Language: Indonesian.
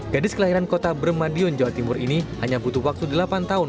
gadis kelahiran kota bermadion jawa timur ini hanya butuh waktu delapan tahun